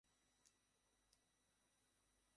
এবং সে একজন উকিলও।